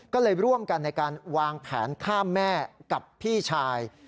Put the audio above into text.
ก็เลยร่วมกันในการวางแผนฆ่าแม่กับพี่ชาย